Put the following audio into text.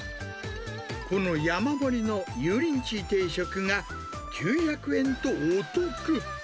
この山盛りの油淋鶏定食が、９００円と、お得。